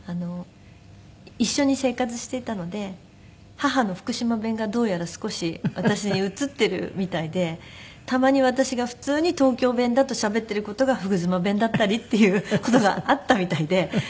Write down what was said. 一緒に生活していたので母の福島弁がどうやら少し私にうつっているみたいでたまに私が普通に東京弁だとしゃべっている事が福島弁だったりっていう事があったみたいで。